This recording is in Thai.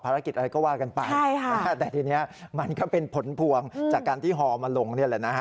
ภารกิจอะไรก็ว่ากันไปแต่ทีนี้มันก็เป็นผลพวงจากการที่หอมาลงเนี่ยแหละนะฮะ